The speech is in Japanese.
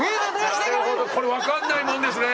なるほどこれ分かんないもんですね。